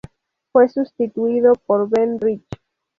Fue sustituido por Ben Rich.